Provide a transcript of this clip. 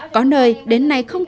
có nơi đến nay không còn